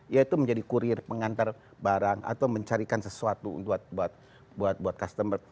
yaitu menjadi kurir pengantar barang atau mencarikan sesuatu buat customer